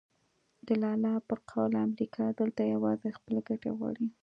د لالا په قول امریکا دلته یوازې خپلې ګټې غواړي.